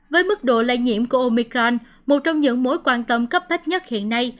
với mức độ lây nhiễm của omicron một trong những mối quan tâm cấp bách nhất hiện nay